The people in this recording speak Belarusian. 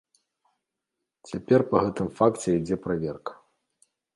Цяпер па гэтым факце ідзе праверка.